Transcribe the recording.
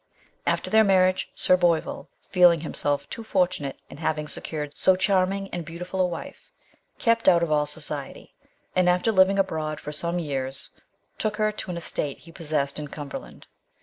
After their marriage Sir Boyvill, feeling himself too fortunate in having secured so charming and beautiful a wife, kept out of all society, and after living abroad for some years took her to an estate he possessed in Cumberland.